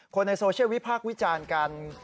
คนในโซเชียลวิภาควิจารค์การ